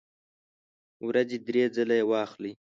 ورځې درې ځله یی واخلئ